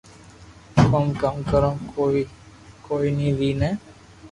ڪوم ڪاو ڪرو ڪوم ئي وئي ني